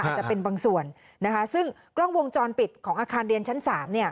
อาจจะเป็นบางส่วนนะคะซึ่งกล้องวงจรปิดของอาคารเรียนชั้น๓